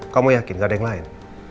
kamu yakin gak ada yang lain